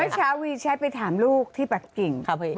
เมื่อเช้าวีใช้ไปถามลูกที่ปากกิ่ง